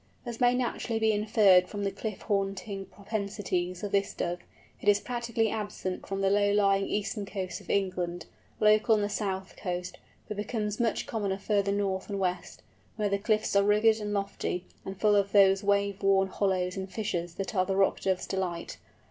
As may naturally be inferred from the cliff haunting propensities of this Dove, it is practically absent from the low lying eastern coasts of England, local on the south coast, but becomes much commoner further north and west, where the cliffs are rugged and lofty, and full of those wave worn hollows and fissures that are the Rock Dove's delight.